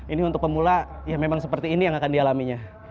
ini untuk pemula ya memang seperti ini yang akan dialaminya